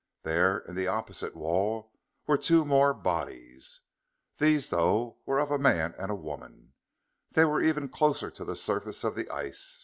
There, in the opposite wall, were two more bodies. These, though, were of man and woman. They were even closer to the surface of the ice.